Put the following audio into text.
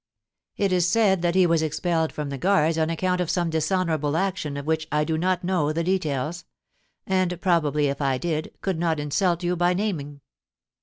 * It is said that he was expelled from the Guards on ac count of some dishonourable action of which I do not know the details ; and probably if I did, could not insult you by naming.'